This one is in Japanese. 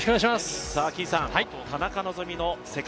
田中希実の世界